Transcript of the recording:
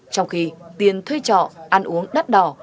trong khi tiền thuê trọ ăn uống đắt đỏ